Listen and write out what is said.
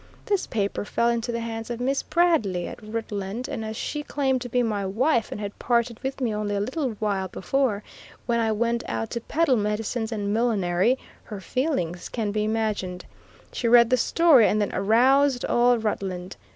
This paper fell into the hands of Miss Bradley, at Rutland, and as she claimed to be my wife, and had parted with me only a little while before, when I went out to peddle medicines and millinery, her feelings can be imagined. She read the story and then aroused all Rutland.